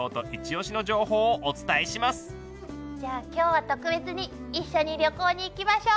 じゃ今日は特別に一緒に旅行に行きましょう。